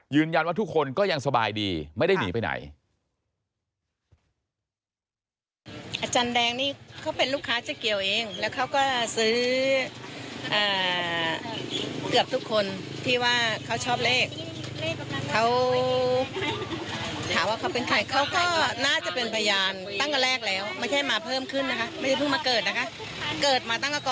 ทุกคนก็ยังสบายดีไม่ได้หนีไปไหน